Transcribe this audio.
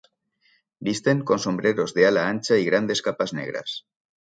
Visten con sombreros de ala ancha y grandes capas negras.